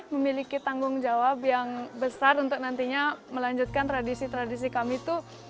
memiliki tanggung jawab yang besar untuk nantinya melanjutkan tradisi tradisi kami itu